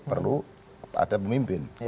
perlu ada pemimpin